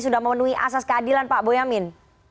sudah memenuhi asas keadilan pak boyamin